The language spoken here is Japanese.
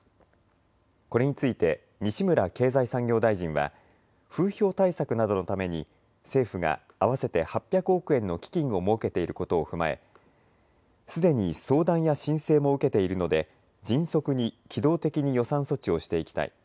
これについて西村経済産業大臣は風評対策などのために政府が合わせて８００億円の基金を設けていることを踏まえすでに相談や申請も受けているので迅速に、機動的に予算措置をしていきたい。